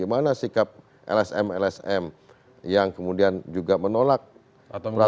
bagaimana sikap lsm lsm yang kemudian juga menolak peraturan